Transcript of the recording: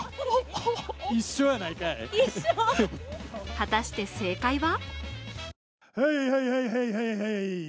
果たして正解は？